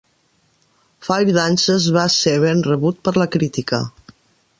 "Fire Dances" va ser ben rebut per la crítica.